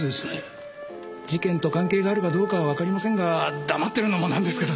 事件と関係があるかどうかはわかりませんが黙ってるのもなんですから。